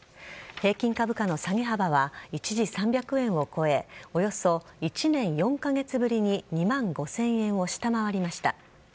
平均株価の下げ幅は、一時３００円を超え、およそ１年４か月ぶりに２万５０００円を下回りました。